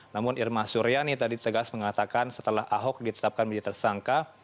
namun irma suryani tadi tegas mengatakan setelah ahok ditetapkan menjadi tersangka